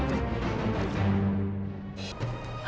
jangan biarkan mereka terluka